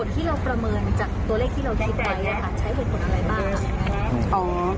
ใช้เหตุผลอะไรบ้าง